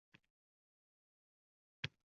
Gʻariblar dunyosi, qullar dunyosi